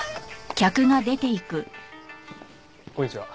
こんにちは。